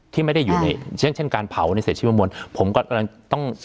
ที่ไม่ได้อยู่ในเช่นการเผาในเศรษฐ์ชีวมวลผมก็ต้อง